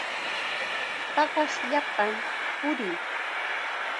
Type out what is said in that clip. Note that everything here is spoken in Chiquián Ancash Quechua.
Paqasllapam purin.